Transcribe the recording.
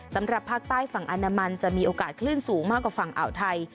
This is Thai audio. สำหรับภาคใต้ฝั่งอนามันจะมีโอกาสคลื่นสูงมากกว่าฝั่งอ่าวไทย